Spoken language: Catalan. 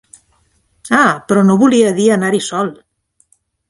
Ah, però no volia dir anar-hi sol!